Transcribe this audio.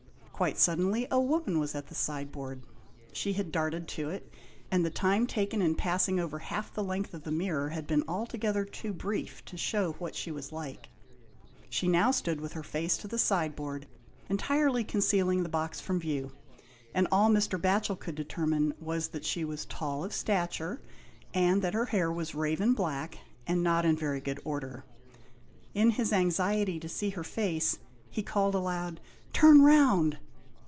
Quite suddenly, a woman was at the sideboard. She had darted to it, and the 183 THE INDIAN LAMP SHADE. time taken in passing over half the length of the mirror had been altogether too brief to show what she was like. She now stood with her face to the sideboard, entirely concealing the box from view, and all Mr. Batohel could determine was that she was tall of stature, and that her hair was raven black, and not in very good order. In his anxiety to see her face, he called aloud, " Turn round."